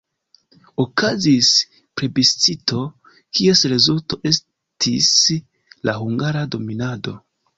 Okazis plebiscito, kies rezulto estis la hungara dominado.